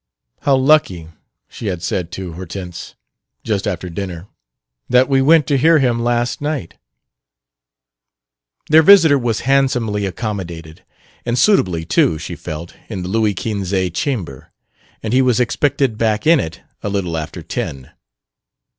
"How lucky," she had said to Hortense, just after dinner, "that we went to hear him last night!" Their visitor was handsomely accommodated and suitably, too, she felt in the Louis Quinze chamber, and he was expected back in it a little after ten.